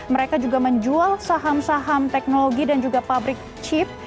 mereka juga menjual saham saham teknologi dan juga pabrik chip